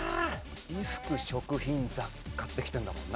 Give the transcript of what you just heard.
衣服食品雑貨ってきてるんだもんな。